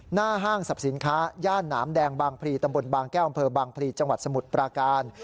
ห้างสรรพสินค้าย่านหนามแดงบางพลีตำบลบางแก้วอำเภอบางพลีจังหวัดสมุทรปราการ